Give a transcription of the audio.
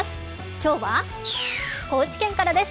今日は高知県からです。